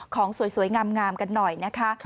ของสวยงามกันหน่อยนะคะ